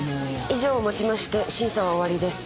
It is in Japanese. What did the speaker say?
以上をもちまして審査は終わりです。